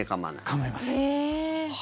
構いません。